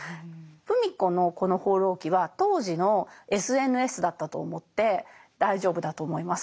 芙美子のこの「放浪記」は当時のＳＮＳだったと思って大丈夫だと思います。